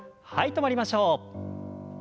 止まりましょう。